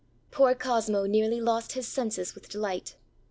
Poor Cosmo nearly lost his senses with delight.